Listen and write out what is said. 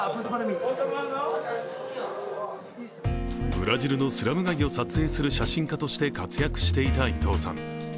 ブラジルのスラム街を撮影する写真家として活躍していた伊藤さん。